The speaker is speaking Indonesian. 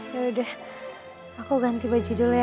yaudah aku ganti baju dulu ya